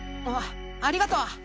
あありがとう。